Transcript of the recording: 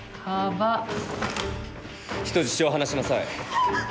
人質を放しなさい。